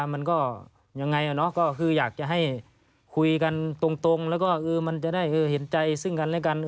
มันก็ยังไงก็คืออยากจะให้คุยกันตรงแล้วก็มันจะได้เห็นใจซึ่งกันและกัน